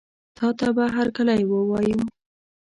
تاته به هرکلی ووایو.